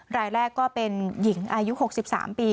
รายแรกก็เป็นหญิงอายุ๖๓ปี